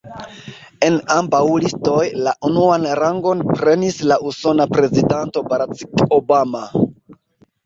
En ambaŭ listoj, la unuan rangon prenis la usona prezidento, Barack Obama.